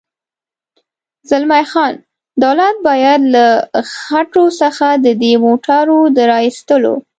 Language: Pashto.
زلمی خان: دولت باید له خټو څخه د دې موټرو د را اېستلو.